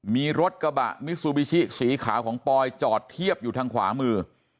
มีรถกระบะมิซูบิชิสีขาวของปอยจอดเทียบอยู่ทางขวามือ